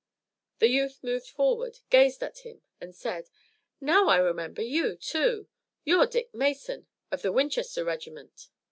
The youth moved forward, gazed at him and said: "Now I remember you, too. You're Dick Mason of the Winchester regiment.